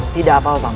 tidak apa apa bang